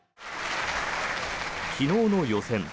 昨日の予選。